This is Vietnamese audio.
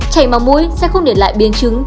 chảy máu mũi sẽ không để lại biến chứng